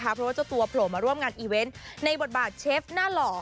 เพราะว่าเจ้าตัวโผล่มาร่วมงานอีเวนต์ในบทบาทเชฟหน้าหล่อ